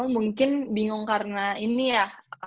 mungkin bingung karena ini ya